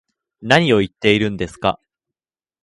何を言ってるんですか